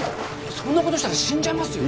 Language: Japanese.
そんなことしたら死んじゃいますよ